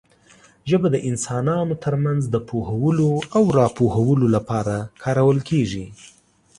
ژبه د انسانانو ترمنځ د پوهولو او راپوهولو لپاره کارول کېږي.